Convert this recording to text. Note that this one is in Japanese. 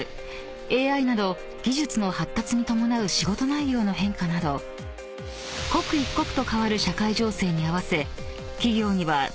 ［ＡＩなど技術の発達に伴う仕事内容の変化など刻一刻と変わる］